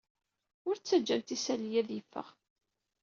Ur ttajjamt isali-a ad yeffeɣ.